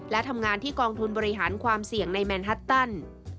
และทำงานที่กองทุนบริหารความเสี่ยงในแมนฮัตตัน